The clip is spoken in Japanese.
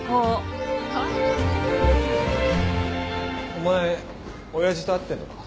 お前親父と会ってんのか？